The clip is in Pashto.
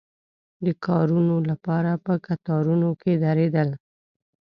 د کارونو لپاره په کتارونو کې درېدل.